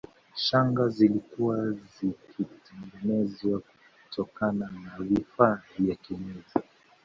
Shanga zilikuwa zikitengenezwa kutokana na vifaa vya kienyeji